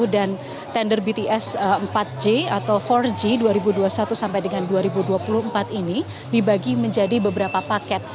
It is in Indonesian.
tender bts empat j atau empat g dua ribu dua puluh satu sampai dengan dua ribu dua puluh empat ini dibagi menjadi beberapa paket